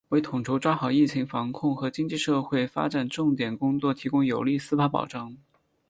为统筹抓好疫情防控和经济社会发展重点工作提供有力司法保障